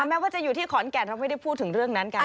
แม้ว่าจะอยู่ที่ขอนแก่นเราไม่ได้พูดถึงเรื่องนั้นกัน